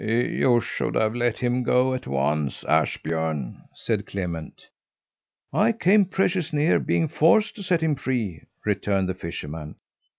"You should have let him go at once, Ashbjörn," said Clement. "I came precious near being forced to set him free," returned the fisherman.